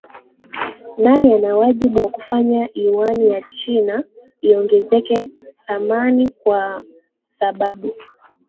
nani ana wajibu wa kufanya yuani ya china iongezeke dhamani kwa sababu